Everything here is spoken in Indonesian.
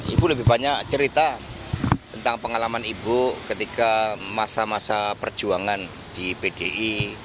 ibu lebih banyak cerita tentang pengalaman ibu ketika masa masa perjuangan di pdi